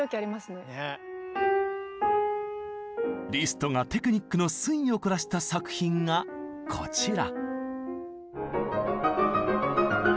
リストがテクニックの粋をこらした作品がこちら。